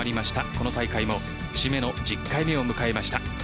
この大会も節目の１０回目を迎えました。